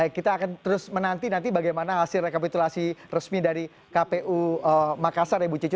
baik kita akan terus menanti nanti bagaimana hasil rekapitulasi resmi dari kpu makassar ya ibu cici